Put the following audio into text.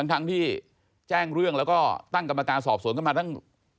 ทั้งที่แจ้งเรื่องแล้วก็ตั้งกรรมการสอบสวนกันมาตั้ง